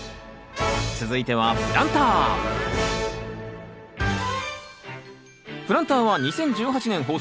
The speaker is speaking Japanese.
続いてはプランター「プランター」は２０１８年放送。